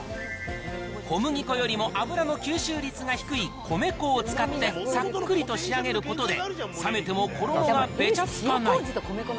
小麦粉よりも油の吸収率が低い米粉を使ってさっくりと仕上げることで、冷めても衣がべたつかない。